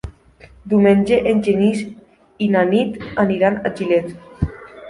Diumenge en Genís i na Nit aniran a Gilet.